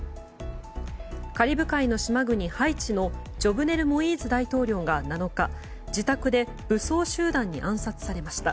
カリブ海の島国ハイチのジョブネル・モイーズ大統領が７日、自宅で武装集団に暗殺されました。